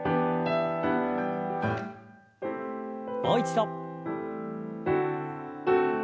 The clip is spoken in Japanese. もう一度。